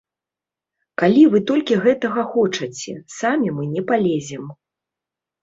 Калі вы толькі гэтага хочаце, самі мы не палезем.